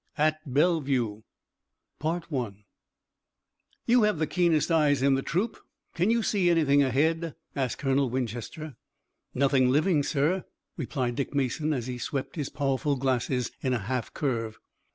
AT BELLEVUE "You have the keenest eyes in the troop. Can you see anything ahead?" asked Colonel Winchester. "Nothing living, sir," replied Dick Mason, as he swept his powerful glasses in a half curve.